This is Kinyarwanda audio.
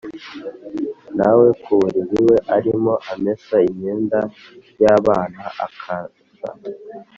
na we ku buriri, we arimo amesa imyenda y’abana akaza